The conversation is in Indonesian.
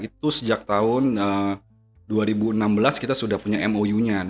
itu sejak tahun dua ribu enam belas kita sudah punya mou nya